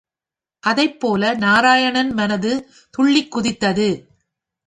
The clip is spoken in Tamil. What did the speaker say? அதைப்போல நாராயணன் மனது துள்ளிக் குதித்தது.